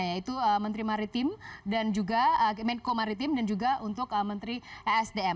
yaitu menteri maritim dan juga menko maritim dan juga untuk menteri esdm